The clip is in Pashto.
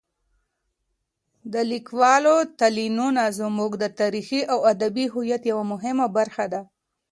د لیکوالو تلینونه زموږ د تاریخي او ادبي هویت یوه مهمه برخه ده.